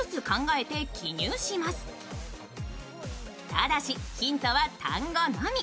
ただし、ヒントは単語のみ。